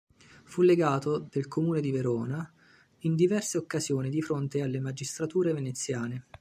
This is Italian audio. Fu legato del Comune di Verona in diverse occasioni di fronte alle magistrature veneziane.